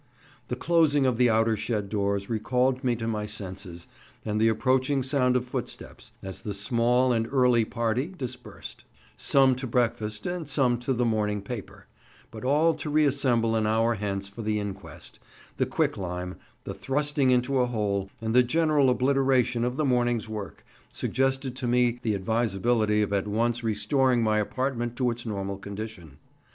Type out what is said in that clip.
The closing of the outer shed doors recalled me to my senses, and the approaching sound of footsteps, as the "small and early party" dispersed, some to breakfast and some to the morning paper, but all to reassemble an hour hence for the inquest, the quicklime, the thrusting into a hole, and the general obliteration of the morning's work, suggested to me the advisability of at once restoring my apartment to its normal condition.